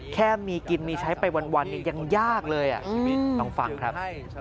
แค่มีกินมีใช้ไปวันเนี่ยยังยากเลยลองฟังครับ